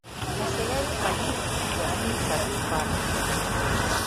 Насяляюць палі, лугі, лясы, сады, паркі.